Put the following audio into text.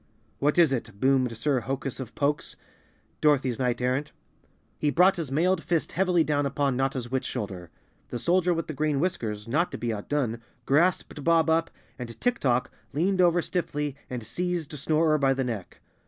"What is it?" boomed Sir Hokus of Pokes, Dorothy's Knight Errant. He brought his mailed fist heavily down upon Notta's witch shoulder. The Soldier with the Green Whiskers, not to be outdone, grasped Bob Up and Tik Tok leaned over stiffly and seized Snorer by the neck.